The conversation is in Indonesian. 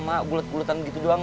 mak gulet guletan gitu doang